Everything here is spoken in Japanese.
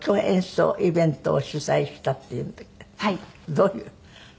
どういう？